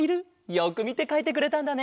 よくみてかいてくれたんだね。